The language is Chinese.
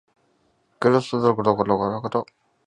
红毛草为禾本科红毛草属下的一个种。